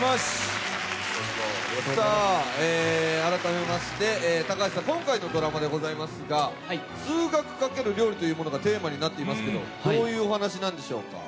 改めまして高橋さん、今回のドラマですが数学×料理ということがテーマになっていますけど、どういうお話なんでしょうか？